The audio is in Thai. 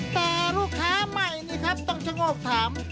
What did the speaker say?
แต่ลูกค้าใหม่นี่ครับต้องชะโงกถาม